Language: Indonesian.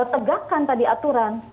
tegakkan tadi aturan